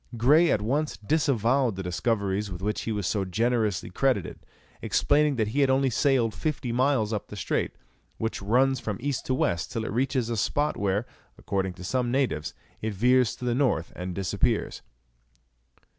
Grey at once disavowed the discoveries with which he was so generously credited, explaining that he had only sailed fifty miles up the strait, which runs from east to west till it reaches a spot where, according to some natives, it veers to the north and disappears.